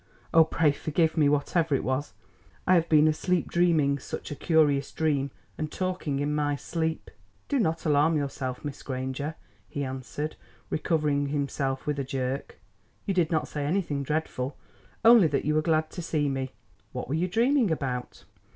Oh, pray forgive me, whatever it was. I have been asleep dreaming such a curious dream, and talking in my sleep." "Do not alarm yourself, Miss Granger," he answered, recovering himself with a jerk; "you did not say anything dreadful, only that you were glad to see me. What were you dreaming about?"